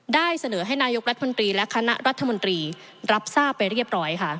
ได้เสนอให้นายกรัฐมนตรีและคณะรัฐมนตรีรับทราบไปเรียบร้อยค่ะ